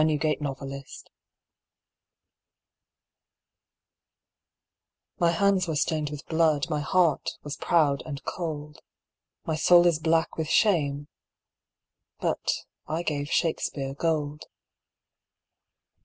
Queen Elizabeth Speaks My hands were stained with blood, my heart was proud and cold, My soul is black with shame ... but I gave Shakespeare gold.